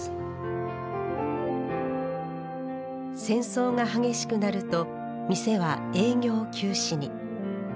戦争が激しくなると店は営業休止に。